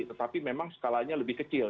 tetapi memang skalanya lebih kecil